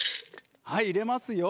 はい入れますよ